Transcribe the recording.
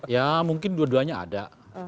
ya mungkin dua duanya ada